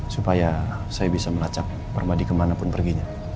supaya saya bisa melacak permadi kemanapun perginya